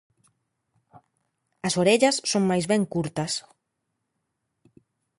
As orellas son máis ben curtas.